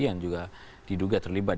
yang juga diduga terlibat